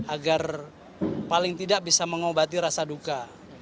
agar paling tidak bisa mengobati rasa duka